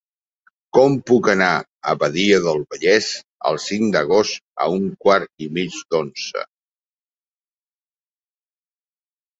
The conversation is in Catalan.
Com puc anar a Badia del Vallès el cinc d'agost a un quart i mig d'onze?